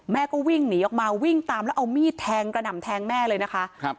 แม่ก็วิ่งหนีออกมาวิ่งตามแล้วเอามีดแทงกระหน่ำแทงแม่เลยนะคะ